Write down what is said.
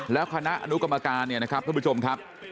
แล้วคณะอนุกรรมการเนี่ยนะครับท่านผู้ชมครับ